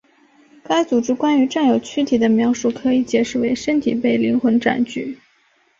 该组织关于占有躯体的描述可以解释为身体被灵魂占据。